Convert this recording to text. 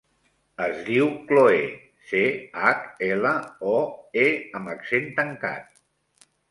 Es diu Chloé: ce, hac, ela, o, e amb accent tancat.